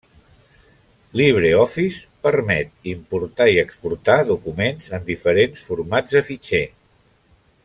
LibreOffice permet importar i exportar documents en diferents formats de fitxer.